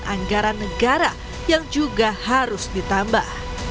dan juga penggunaan negara negara yang juga harus ditambah